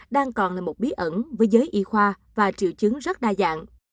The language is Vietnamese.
đang còn là một bí ẩn với giới y khoa và triệu chứng rất đa dạng